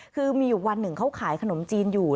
คือมีอยู่วันหนึ่งเขาขายขนมจีนอยู่